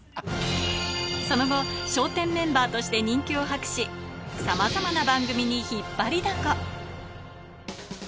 その後、笑点メンバーとして人気を博し、さまざまな番組に引っ張りだこ。